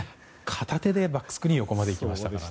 片手でバックスクリーン横までいきました。